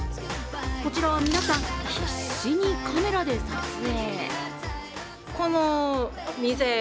こちらは皆さん、必死にカメラで撮影。